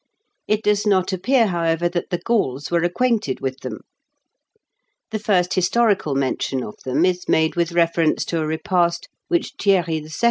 It does not appear, however, that the Gauls were acquainted with them. The first historical mention of them is made with reference to a repast which Thierry II.